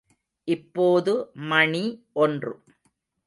இப்போது மணி ஒன்று.